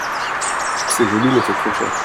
C'est joli mais c'est trop cher.